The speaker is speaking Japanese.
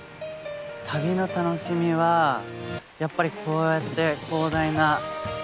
旅の楽しみはやっぱりこうやって広大な。